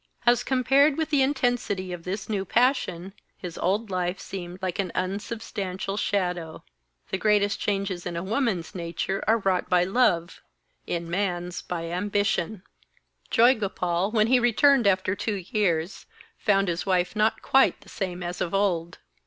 As compared with the intensity of this new passion, his old life seemed like an unsubstantial shadow. The greatest changes in a woman's nature are wrought by love; in a man's, by ambition. Joygopal, when he returned after two years, found his wife not quite the same as of old.